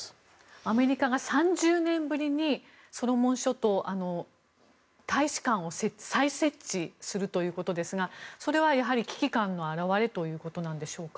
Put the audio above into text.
アメリカが３０年ぶりにソロモン諸島に大使館を再設置するということですがそれは危機感の表れということなんでしょうか。